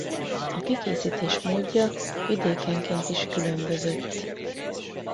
A kikészítés módja vidékenként is különbözött.